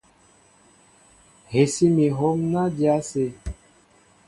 Hɛsí mi hǒm ná dya ásé.